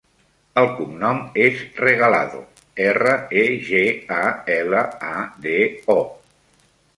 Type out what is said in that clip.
El cognom és Regalado: erra, e, ge, a, ela, a, de, o.